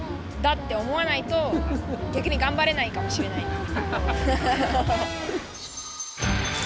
って思わないと逆に頑張れないかもしれないです。